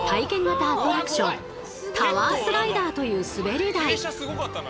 アトラクションタワースライダーというすべり台。